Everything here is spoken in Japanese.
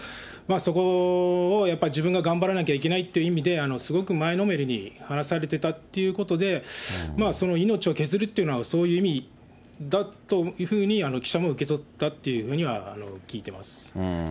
そこをやっぱり自分が頑張らないといけないって意味で、すごく前のめりに話されてたということで、その命を削るってのはそういう意味だというふうに、記者も受け取ったというふうには聞いてます。